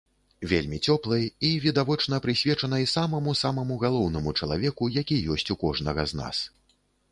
Вельмі цёплай і, відавочна, прысвечанай самаму-самаму галоўнаму чалавеку, які ёсць у кожнага з нас.